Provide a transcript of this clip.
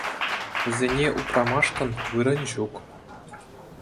Вӗсене упрамашкӑн вырӑн ҫук.